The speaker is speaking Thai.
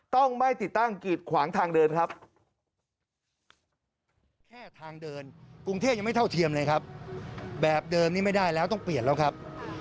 ต้องไม่ติดตั้งกิจขวางทางเดินครับ